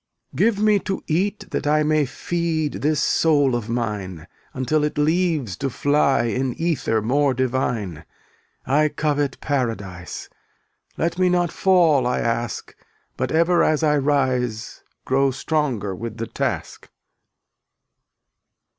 290 Give me to eat that I May feed this soul of mine, Until it leaves to fly In ether more divine. I covet paradise; Let me not fall, I ask, But ever as I rise Grow stronger with the task.